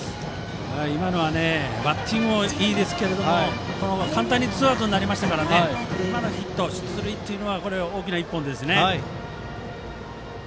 今のはバッティングもいいですが簡単にツーアウトになりましたから今のヒット、出塁は大きな１本ですね。